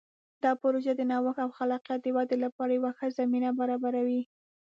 دا پروژه د نوښت او خلاقیت د ودې لپاره یوه ښه زمینه برابروي.